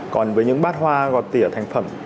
còn với những bát hoa gọt tỉa thành phẩm